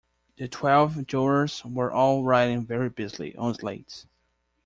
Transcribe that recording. The twelve jurors were all writing very busily on slates.